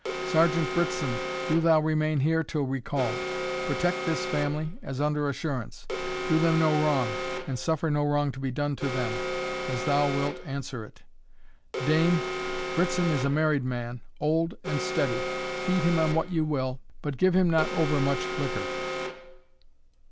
Sergeant Brittson, do thou remain here till recalled protect this family, as under assurance do them no wrong, and suffer no wrong to be done to them, as thou wilt answer it. Dame, Brittson is a married man, old and steady; feed him on what you will, but give him not over much liquor."